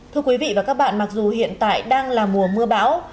thưa quý vị và các bạn mặc dù hiện tại đang là mùa mưa bão